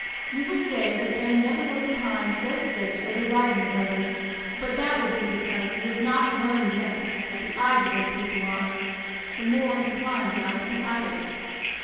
You will say that there never was a time so fit for the writing of letters, but that will be because you have not learned yet that the idler people are, the more inclined they are to be idle.